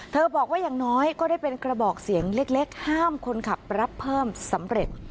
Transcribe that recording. บอกว่าอย่างน้อยก็ได้เป็นกระบอกเสียงเล็กห้ามคนขับรับเพิ่มสำเร็จ